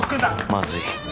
まずい。